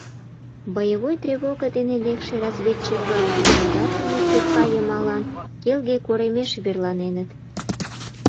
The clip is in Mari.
...Боевой тревога дене лекше разведчик-влак Наблюдательный сопка йымалан келге коремеш верланеныт.